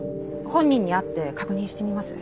本人に会って確認してみます。